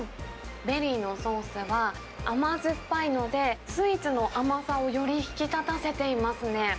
ベリーのソースは甘酸っぱいので、スイーツの甘さをより引き立たせていますね。